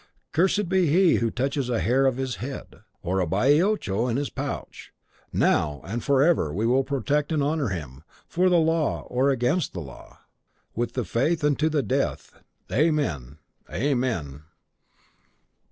Cursed be he who touches a hair of his head, or a baioccho in his pouch. Now and forever we will protect and honour him, for the law or against the law; with the faith and to the death. Amen! Amen!"